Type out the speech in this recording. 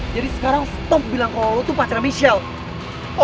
jadi sekarang stop bilang kalau lo tuh pacara michelle